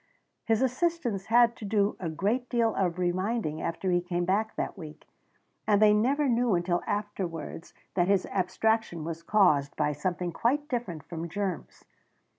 His assistants had to do a great deal of reminding after he came back that week, and they never knew until afterwards that his abstraction was caused by something quite different from germs.